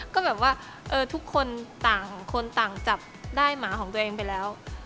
ก็แบบว่าทุกคนต่างจับได้หมาของตัวเองไปแล้ว